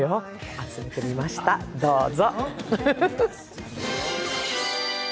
集めてみました、どうぞ。